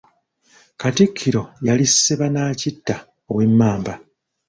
Katikkiro yali Sebanaakitta ow'Emmamba.